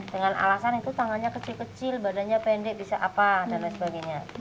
dengan alasan itu tangannya kecil kecil badannya pendek bisa apa dan lain sebagainya